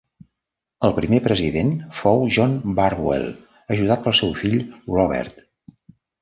El primer president fou John Burwell, ajudat pel seu fill Robert.